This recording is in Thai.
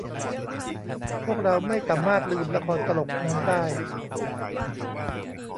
พวกเราไม่สามารถลืมละครตลกนั้นได้